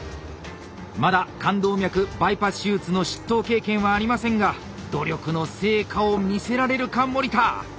まだ冠動脈バイパス手術の執刀経験はありませんが努力の成果を見せられるか森田！